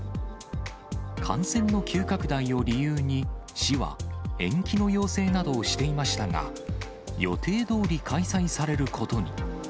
感染の急拡大を理由に、市は延期の要請などをしていましたが、予定どおり開催されることに。